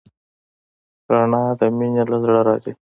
رڼا د مینې له زړه راځي.